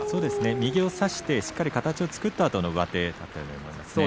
右を差して形をしっかり作ったあとの上手だったと思います。